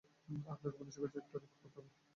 আপনাকে পুলিশের কাছে একটা রিপোর্ট পূরণ করতে হবে!